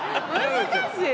難しい！